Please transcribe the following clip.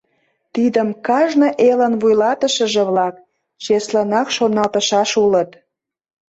Тидым кажне элын вуйлатышыже-влак чеслынак шоналтышаш улыт.